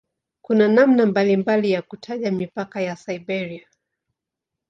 Kuna namna mbalimbali ya kutaja mipaka ya "Siberia".